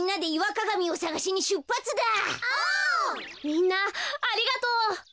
みんなありがとう。